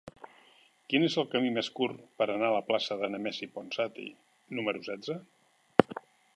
Quin és el camí més curt per anar a la plaça de Nemesi Ponsati número setze?